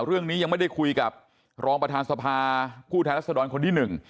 เรื่องนี้ยังไม่ได้คุยกับรองประธานสภาผู้แทนรัศดรคนที่หนึ่ง